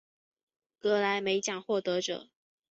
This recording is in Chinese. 格莱美奖获得者。